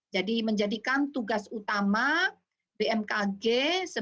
jadi menjadikan tugas utama bmkg sebagai lembaga penguasa